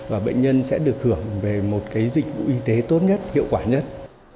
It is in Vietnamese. và bệnh nhân sẽ được hưởng về một dịch vụ y tế tốt nhất hiệu quả nhất